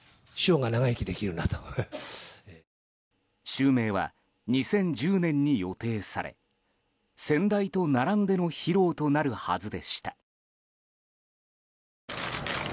襲名は２０１０年に予定され先代と並んでの披露となるはずでした。